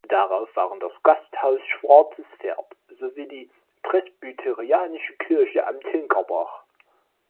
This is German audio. Darauf waren das Gasthaus Schwarzes Pferd sowie die presbyterianische Kirche am Tinker-Bach.